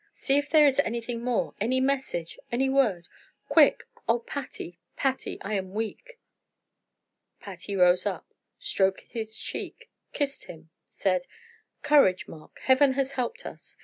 "See if there is anything more any message any word quick oh, Patty, Patty. I am weak!" Patty rose up, stroked his cheek, kissed him, said: "Courage, Mark! Heaven has helped us!"